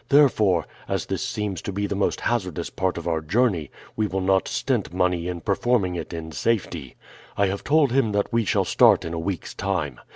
Therefore, as this seems to be the most hazardous part of our journey, we will not stint money in performing it in safety. I have told him that we shall start in a week's time.